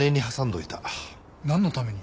なんのために？